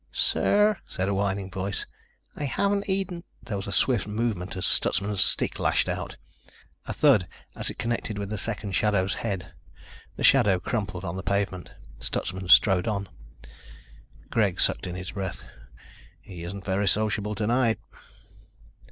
"Sir," said a whining voice, "I haven't eaten ..." There was a swift movement as Stutsman's stick lashed out, a thud as it connected with the second shadow's head. The shadow crumpled on the pavement. Stutsman strode on. Greg sucked in his breath. "He isn't very sociable tonight."